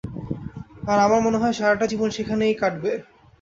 আর আমার মনে হয়, সারাটাজীবন সেখানেই কাটবে।